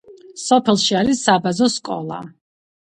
სოფელში არის საბაზო სკოლა.